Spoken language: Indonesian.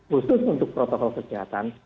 khusus untuk protokol kesehatan